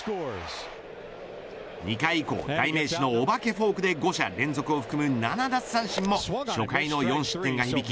２回以降、代名詞のお化けフォークで５者連続を含む７奪三振も初回の４失点が響き